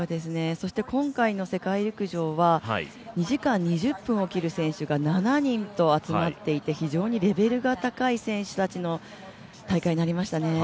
今回の世界陸上は２時間２０分を切る選手が７人と集まっていて、非常にレベルが高い選手たちの大会になりましたね。